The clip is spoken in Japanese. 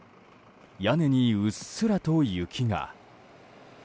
屋根にうっすらと雪が。